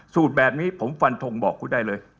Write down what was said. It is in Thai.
สูตรแบบนี้ผมฟันทงบอกคุณได้เลย